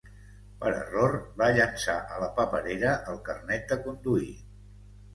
Per error, va llençar a la paperera el carnet de conduir